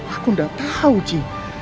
aku tidak tahu ji